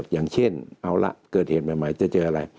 อย่างเช่นเอาละเกิดเหตุใหม่จะเจออะไร